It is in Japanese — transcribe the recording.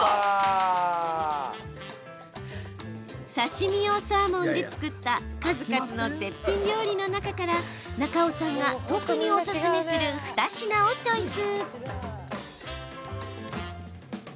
刺身用サーモンで作った数々の絶品料理の中から中尾さんが特におすすめする２品をチョイス。